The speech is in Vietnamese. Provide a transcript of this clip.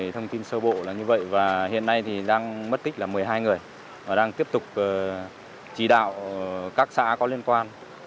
thông tin sơ bộ là như vậy và hiện nay đang mất tích là một mươi hai người và đang tiếp tục chỉ đạo các xã có liên quan